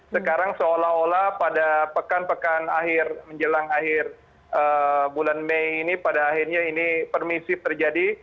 sekarang seolah olah pada pekan pekan akhir menjelang akhir bulan mei ini pada akhirnya ini permisif terjadi